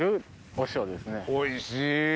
おいしい。